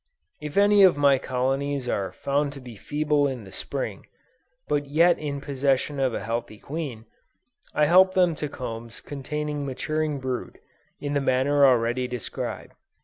If any of my colonies are found to be feeble in the Spring, but yet in possession of a healthy queen, I help them to combs containing maturing brood, in the manner already described.